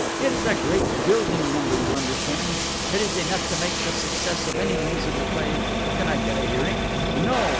It is a great building number, you understand. It is enough to make the success of any musical play, but can I get a hearing? No!